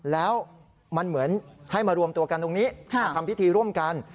แล้วมันเหมือนให้มารวมตัวกันตรงนี้มาทำพิธีร่วมกัน